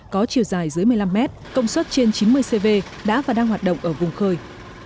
có chiều dài dưới một mươi năm mét công suất trên chín mươi cv đã và đang hoạt động ở vùng khơi